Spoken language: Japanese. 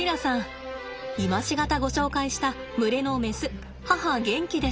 今し方ご紹介した群れのメス母ゲンキです。